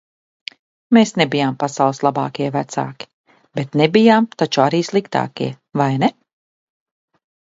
Mēs nebijām pasaules labākie vecāki, bet nebijām taču arī sliktākie, vai ne?